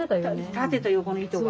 縦と横の糸が。